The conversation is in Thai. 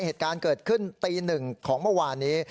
เหตุการณ์เกิดขึ้นตีหนึ่งของเมื่อวานนี้